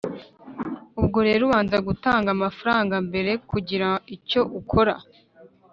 Ubwo rero ubanza gutanga amafaranga mbere kugira icyo ukora